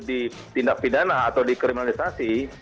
ditindak pidana atau dikriminalisasi